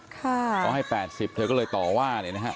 ก็ให้๘๐บาทเธอเลยต่อว่า